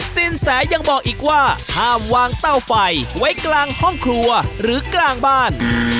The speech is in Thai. สินแสยังบอกอีกว่าห้ามวางเต้าไฟไว้กลางห้องครัวหรือกลางบ้าน